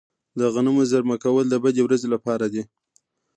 د غنمو زیرمه کول د بدې ورځې لپاره دي.